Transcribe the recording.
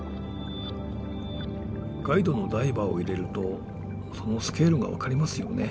ガイドのダイバーを入れるとそのスケールが分かりますよね？